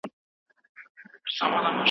يوه کړکۍ ده بله زه ولاړه يمه